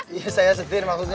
iya saya setir maksudnya